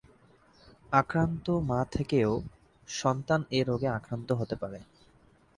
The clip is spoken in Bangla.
আক্রান্ত মা থেকেও সন্তান এ রোগে আক্রান্ত হতে পারে।